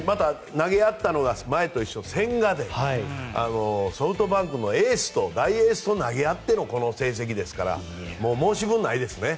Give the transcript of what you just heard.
投げ合ったのが前と一緒千賀でソフトバンクの大エースと投げ合ってのこの成績ですから申し分ないですね。